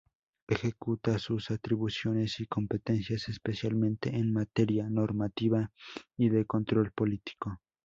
Ejecuta sus atribuciones y competencias especialmente en materia normativa y de control político.